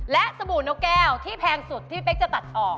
และสบู่นกแก้วที่แพงสุดที่พี่เป๊กจะตัดออก